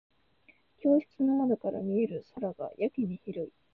教室の窓から見える空がやけに広い。